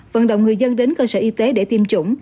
vận động người dân đến cơ sở y tế để tiêm chủng